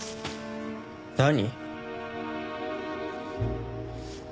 何？